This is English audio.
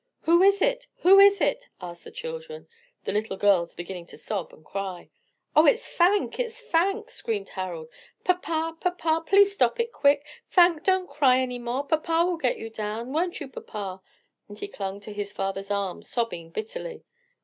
"Who is it? who is it?" asked the children, the little girls beginning to sob and cry. "Oh it's Fank! it's Fank!" screamed Harold. "Papa, papa, please stop it quick. Fank, don't cry, any more: papa will get you down. Won't you, papa?" And he clung to his father's arm, sobbing bitterly.